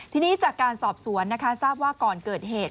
ทีนี้จากการสอบสวนนะคะทราบว่าก่อนเกิดเหตุ